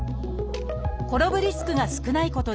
転ぶリスクが少ないことです